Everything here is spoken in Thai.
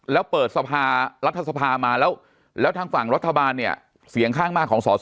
แล้วเปิดสภารัฐสภามาแล้วแล้วทางฝั่งรัฐบาลเนี่ยเสียงข้างมากของสอสอ